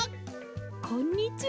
こんにちは。